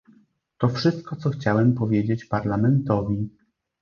To wszystko, co chciałem powiedzieć Parlamentowi